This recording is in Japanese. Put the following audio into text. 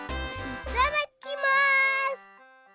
いただきます！